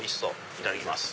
いただきます。